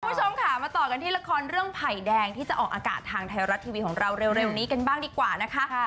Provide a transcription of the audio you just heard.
คุณผู้ชมค่ะมาต่อกันที่ละครเรื่องไผ่แดงที่จะออกอากาศทางไทยรัฐทีวีของเราเร็วนี้กันบ้างดีกว่านะคะ